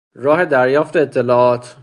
راه دریافت اطلاعات